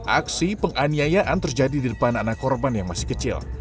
aksi penganiayaan terjadi di depan anak korban yang masih kecil